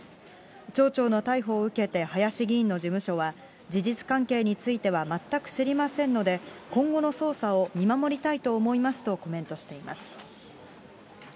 町長の逮捕を受けて、林議員の事務所は、事実関係については全く知りませんので、今後の捜査を見守りたいと思いますとコメントしています。